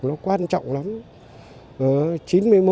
nó quan trọng lắm